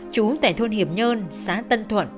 chú tại thôn hiệp nhơn xã tân thuận